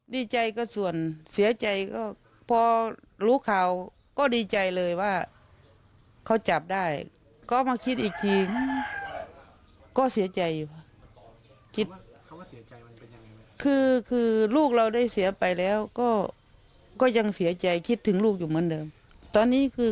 ดีใจก็ส่วนเสียใจก็พอรู้ข่าวก็ดีใจเลยว่าเขาจับได้ก็มาคิดอีกทีก็เสียใจอยู่คิดคำว่าเสียใจมันเป็นยังไงคือคือลูกเราได้เสียไปแล้วก็ก็ยังเสียใจคิดถึงลูกอยู่เหมือนเดิมตอนนี้คือ